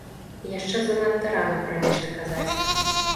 Яшчэ занадта рана пра нешта казаць.